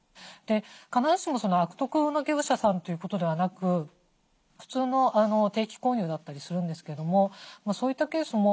必ずしも悪徳な業者さんということではなく普通の定期購入だったりするんですけどもそういったケースも。